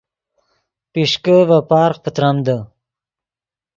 پیشکے ڤے پارغ پتریمدے